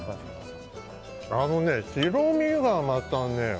あのね、白身がまたね。